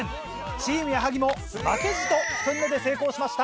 チーム矢作も負けじと１人目で成功しました。